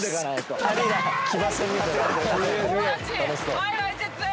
俺たちＨｉＨｉＪｅｔｓ